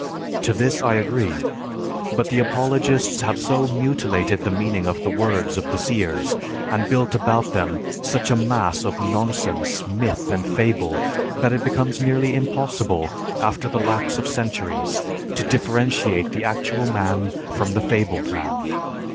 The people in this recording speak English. To this I agree; but the apologists have so mutilated the meaning of the words of the seers and built about them such a mass of nonsense, myth, and fable that it becomes nearly impossible after the lapse of centuries to differentiate the actual man from the fabled man.